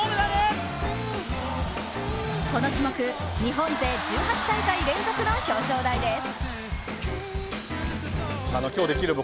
この種目、日本勢１８大会連続の表彰台です。